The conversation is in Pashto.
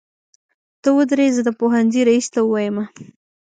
ته ودرې زه د پوهنځۍ ريس ته وويمه.